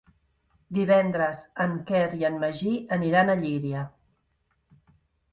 Divendres en Quer i en Magí aniran a Llíria.